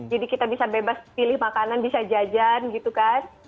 jadi kita bisa bebas pilih makanan bisa jajan gitu kan